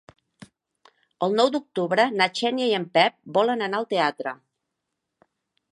El nou d'octubre na Xènia i en Pep volen anar al teatre.